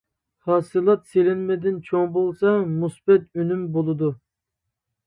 ھاسىلات سېلىنمىدىن چوڭ بولسا مۇسبەت ئۈنۈم بولىدۇ.